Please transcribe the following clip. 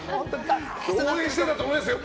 応援してたと思いますよ。